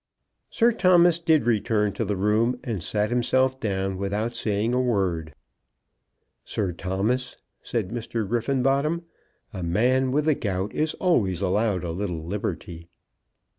Sir Thomas did return to the room, and sat himself down without saying a word. "Sir Thomas," said Mr. Griffenbottom, "a man with the gout is always allowed a little liberty."